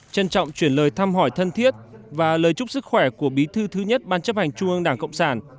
trân trọng chuyển lời thăm hỏi thân thiết và lời chúc sức khỏe của bí thư thứ nhất ban chấp hành trung ương đảng cộng sản